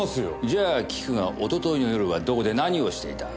じゃあ聞くが一昨日の夜はどこで何をしていた？